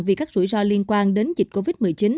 vì các rủi ro liên quan đến dịch covid một mươi chín